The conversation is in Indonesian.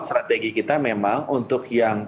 strategi kita memang untuk yang